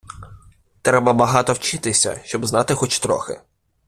Треба багато вчитися, щоб знати хоч трохи